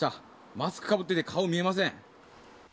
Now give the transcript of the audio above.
マスクをかぶっていて顔が見えません。